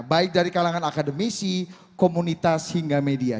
baik dari kalangan akademisi komunitas hingga media